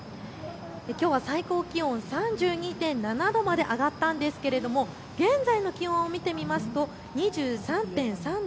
きょうは最高気温３２．７度まで上がったんですが現在の気温を見ると２３．３度。